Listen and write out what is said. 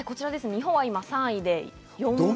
日本は今、３位で４倍です。